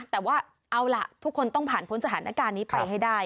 แต่ว่าเอาล่ะทุกคนต้องผ่านพ้นสถานการณ์นี้ไปให้ได้